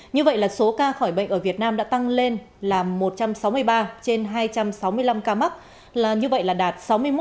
như vậy là số ca khỏi bệnh ở việt nam đã tăng lên là một trăm sáu mươi ba trên hai trăm sáu mươi năm ca mắc là như vậy là đạt sáu mươi một